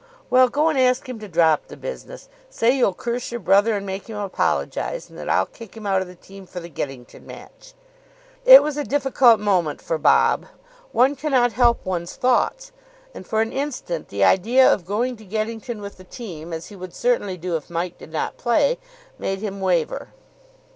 Well, go and ask him to drop the business. Say you'll curse your brother and make him apologise, and that I'll kick him out of the team for the Geddington match." It was a difficult moment for Bob. One cannot help one's thoughts, and for an instant the idea of going to Geddington with the team, as he would certainly do if Mike did not play, made him waver.